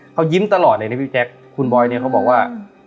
เขายิ้มตลอดเลยนะพี่แจ๊คคุณบอยเนี่ยเขาบอกว่า